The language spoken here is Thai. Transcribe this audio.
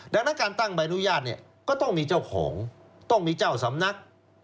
ดังนั้นการตั้งใบอนุญาตเนี่ยก็ต้องมีเจ้าของต้องมีเจ้าสำนัก